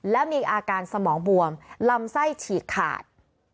และมีอาการสมองบวมลำไส้ฉีกขาด